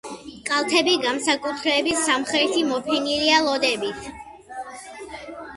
კალთები, განსაკუთრებით სამხრეთი მოფენილია ლოდებით.